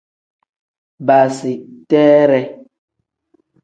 Baasiteree.